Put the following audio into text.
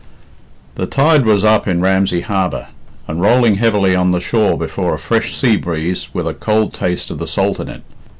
The tide was up in Ramsey Harbour, and rolling heavily on the shore before a fresh sea breeze with a cold taste of the salt in it.